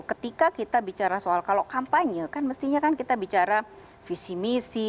ketika kita bicara soal kalau kampanye kan mestinya kan kita bicara visi misi